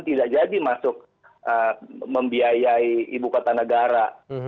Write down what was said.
tidak jadi masuk membiayai ibu kota negara